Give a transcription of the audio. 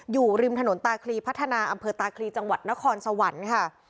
อยู่ริมถนนตาคลีพัฒนาอำเภอตาคลีจังหวัดนครสวรรค์ค่ะ